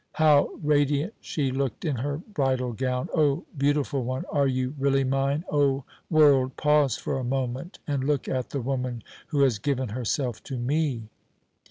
How radiant she looked in her bridal gown! "Oh, beautiful one, are you really mine? Oh, world, pause for a moment and look at the woman who has given herself to me!"